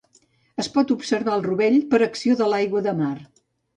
Es pot observar el rovell per acció de l'aigua de mar.